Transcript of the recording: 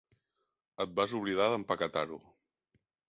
Et vas oblidar d'empaquetar-ho.